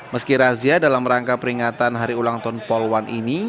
meski razia dalam rangka peringatan hari ulang tahun pol satu ini